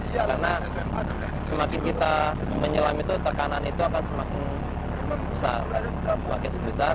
karena semakin kita menyelam itu tekanan itu akan semakin besar